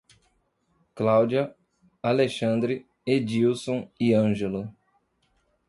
Cláudia, Alexandre, Edílson e Ângelo